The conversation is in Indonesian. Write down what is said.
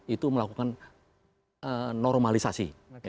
itu melakukan normalisasi